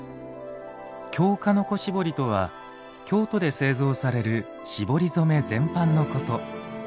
京鹿の子絞りとは京都で製造される絞り染め全般のこと。